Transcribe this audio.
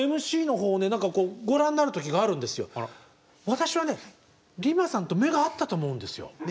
私はねＲＩＭＡさんと目が合ったと思うんですよ。